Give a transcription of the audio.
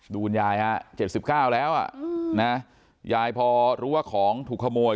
ดูยาย๗๙แล้วยายพอรู้ว่าของถูกขโมย